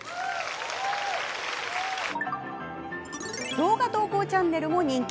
動画投稿チャンネルも人気。